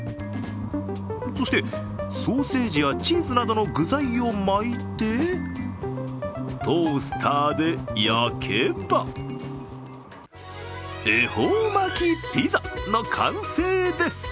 そして、ソーセージやチーズなどの具材を巻いてトースターで焼けば恵方巻ピザの完成です。